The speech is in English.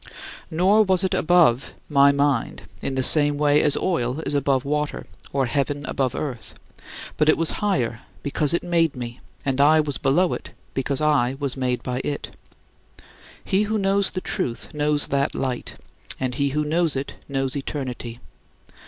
Nor was it above my mind in the same way as oil is above water, or heaven above earth, but it was higher, because it made me, and I was below it, because I was made by it. He who knows the Truth knows that Light, and he who knows it knows eternity.